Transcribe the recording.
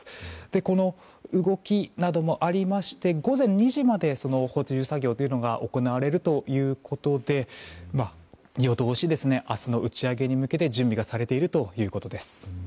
この動きなどもありまして午前２時まで補充作業が行われるということで夜通し、明日の打ち上げに向けて準備がされているということです。